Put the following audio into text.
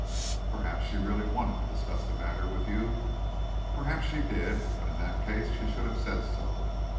"Perhaps she really wanted to discuss the matter with you." "Perhaps she did; but in that case she should have said so.